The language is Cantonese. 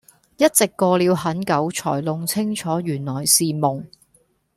一直過了很久才弄清楚原來是夢